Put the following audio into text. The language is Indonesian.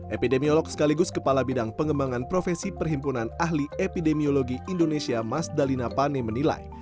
epidemiolog sekaligus kepala bidang pengembangan profesi perhimpunan ahli epidemiologi indonesia mas dalina pane menilai